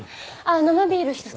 生ビール１つ。